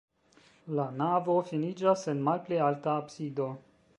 La navo finiĝas en malpli alta absido.